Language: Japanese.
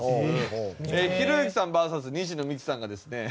ひろゆきさんＶＳ西野未姫さんがですね。